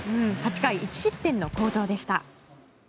８回１失点の好投でした。